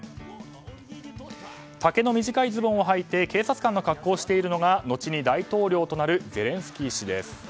丈の短いズボンをはいて警察官の格好をしているのが後に大統領となるゼレンスキー氏です。